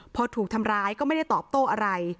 พอถูกทำร้ายก็ไม่ได้ตอบโต้อะไร